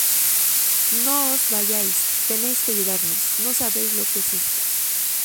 ¡ No os vayáis! Tenéis que ayudarnos. no sabéis lo que es esto.